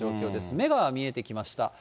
目が見えてきました。